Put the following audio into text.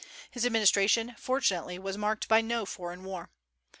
His administration, fortunately, was marked by no foreign war.